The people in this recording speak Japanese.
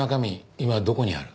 今どこにある？